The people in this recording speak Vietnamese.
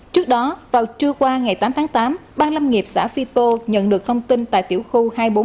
trước đó vào trưa qua ngày tám tháng tám ban lâm nghiệp xã phi tô nhận được thông tin tại tiểu khu hai trăm bốn mươi một